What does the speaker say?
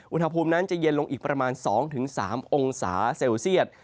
อุณหภูมินั้นจะเย็นลงอีกประมาณ๒๓องศาเซลเซียต